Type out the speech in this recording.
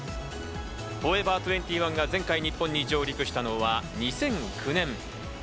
ＦＯＲＥＶＥＲ２１が前回、日本に上陸したのは２００９年。